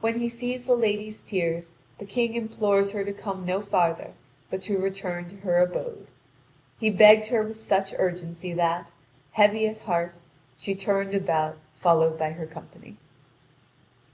When he sees the lady's tears, the King implores her to come no farther, but to return to her abode. He begged her with such urgency that, heavy at heart, she turned about followed by her company.